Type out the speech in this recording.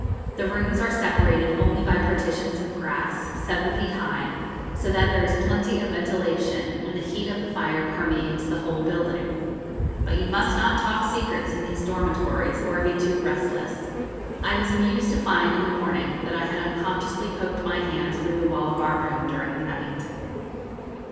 The rooms are separated only by partitions of grass, seven feet high, so that there is plenty of ventilation, and the heat of the fire permeates the whole building. But you must not talk secrets in these dormitories or be too restless. I was amused to find, in the morning, that I had unconsciously poked my hand through the wall of our room during the night.